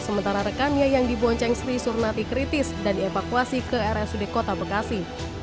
sementara rekannya yang dibonceng sri surnati kritis dan dievakuasi ke rsud kota bekasi